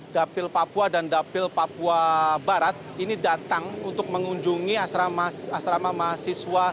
dapil papua dan dapil papua barat ini datang untuk mengunjungi asrama mahasiswa